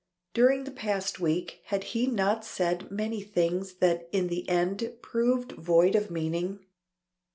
During the past week had he not said many things that in the end proved void of meaning.